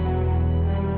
kamu bisa lihat sendiri